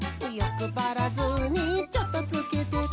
「よくばらずにチョットつけて」